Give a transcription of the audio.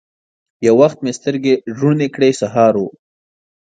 یو وخت مې سترګي روڼې کړې ! سهار و